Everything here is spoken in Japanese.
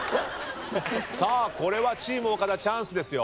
さあこれはチーム岡田チャンスですよ。